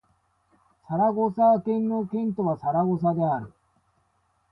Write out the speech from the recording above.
サラゴサ県の県都はサラゴサである